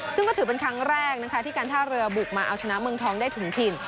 ซึ่งก็ถือเป็นครั้งแรกนะคะที่การท่าเรือบุกมาเอาชนะเมืองทองได้ถึงถิ่น